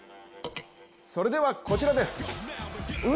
それではこちらです。